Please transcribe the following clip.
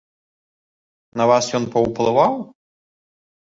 На вас ён паўплываў?